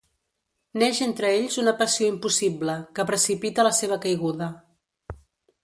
Neix entre ells una passió impossible, que precipita la seva caiguda.